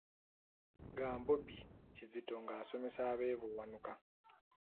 Gambobbi Kizito ng'asomesa ab'e Buwanuka .